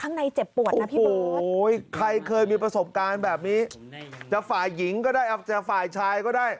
โอ้โหใครเคยมีประสบการณ์แบบนี้จะฝ่ายหญิงก็ได้จะฝ่ายชายก็ได้